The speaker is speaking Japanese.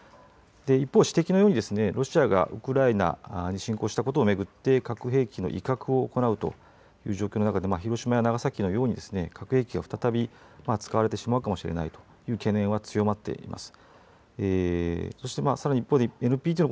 一方、指摘のようにロシアがウクライナ侵攻したことを巡って核兵器の威嚇を行うという状況の中で広島や長崎のように核兵器を再び使われてしまうかもしれないという懸念は強まっています。